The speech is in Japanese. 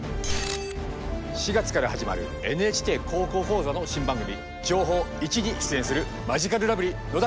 ４月から始まる「ＮＨＫ高校講座」の新番組「情報Ⅰ」に出演するマヂカルラブリー野田クリスタルだぜ！